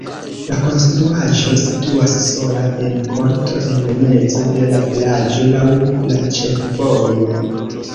La konstruaĵo situas sola en korto en mezo de la vilaĝo laŭ la ĉefvojo.